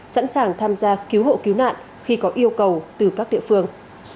sẵn sàng tham gia cứu hộ cứu nạn khi có yêu cầu từ các địa phương